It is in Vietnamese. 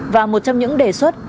và một trong những đề xuất